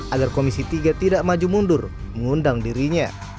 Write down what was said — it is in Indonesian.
agar komisi tiga tidak maju mundur mengundang dirinya